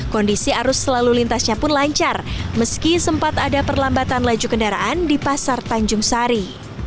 kondisi arus selalu lintasnya pun lancar meski sempat ada perlambatan laju kendaraan di pasar tanjung sari